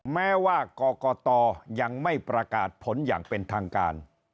แม้ว่ากรกตยังไม่ประกาศผลอย่างเป็นทางการ